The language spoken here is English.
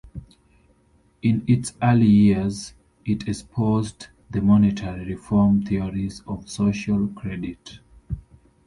In its early years, it espoused the monetary reform theories of social credit.